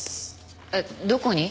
えっどこに？